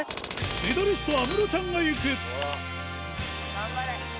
メダリスト有夢路ちゃんがいく頑張れ！